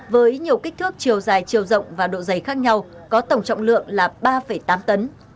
với nhiều kích thước chiều dài chiều rộng và độ dày khác nhau có tổng trọng lượng là ba tám tấn